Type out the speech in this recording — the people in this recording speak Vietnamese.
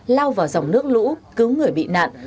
lao vào dòng nước lũ cứu người bị nạn